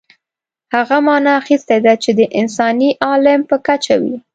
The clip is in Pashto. هغه معنا اخیستې ده چې د انساني عالم په کچه وي.